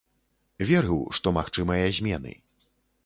Верыў, што магчымыя змены.